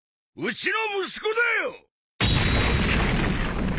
うちの息子だよ！